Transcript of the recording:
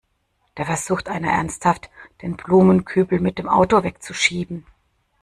Da versucht ernsthaft einer, den Blumenkübel mit dem Auto wegzuschieben!